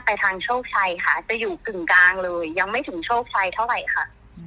ไปเท่าไหร่ค่ะ